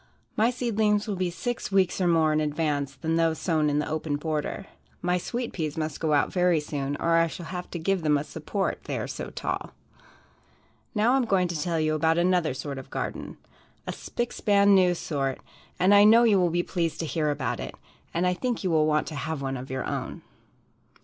My seedlings will be six weeks or more in advance than those sown in the open border. My sweet peas must go out very soon or I shall have to give them a support, they are so tall. Now I am going to tell you about another sort of a garden "a spick span new" sort and I know you will be pleased to hear about it, and I think you will want to have one of your own.